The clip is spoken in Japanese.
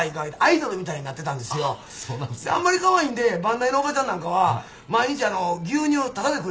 あんまりかわいいんで番台のおばちゃんなんかは毎日牛乳をただでくれてました。